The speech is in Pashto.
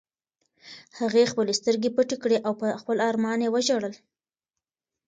هغې خپلې سترګې پټې کړې او په خپل ارمان یې وژړل.